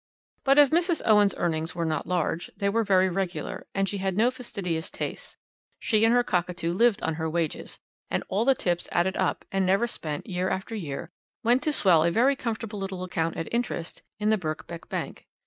"But if Mrs. Owen's earnings were not large, they were very regular, and she had no fastidious tastes. She and her cockatoo lived on her wages; and all the tips added up, and never spent, year after year, went to swell a very comfortable little account at interest in the Birkbeck Bank.